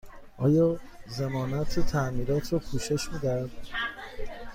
آیا ضمانت تعمیرات را پوشش می دهد؟